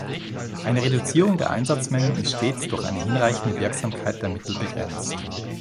Eine Reduzierung der Einsatzmengen ist stets durch eine hinreichende Wirksamkeit der Mittel begrenzt.